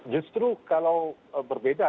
justru kalau berbeda